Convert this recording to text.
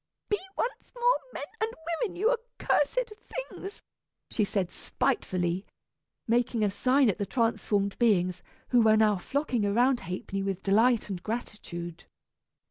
"Be once more men and women, you accursed things!" she said spitefully, making a sign at the transformed beings who were now flocking around Ha'penny with delight and gratitude.